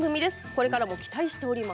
これからも期待しております。